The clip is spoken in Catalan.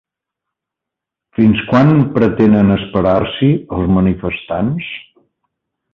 Fins quan pretenen esperar-s'hi els manifestants?